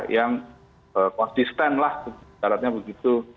yang konsisten lah syaratnya begitu